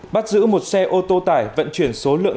bắt giữ một xe ô tô tải vận chuyển số lượng lớn